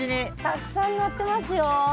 たくさんなってますよ。